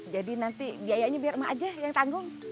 jadi nanti biayanya biar emak aja yang tanggung